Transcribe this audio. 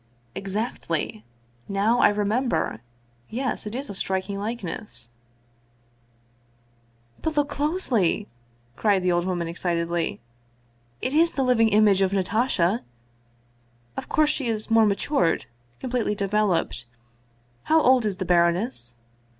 " Exactly. Now I remember ! Yes, it is a striking likeness." " But look closely," cried the old woman excitedly ;" it is the living image of Natasha! Of course she is more matured, completely developed. How old is the baroness